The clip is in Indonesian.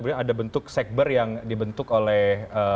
untuk terima kasih